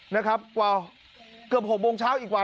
นะครับเกือบ๖โมงเช้าอีกวัน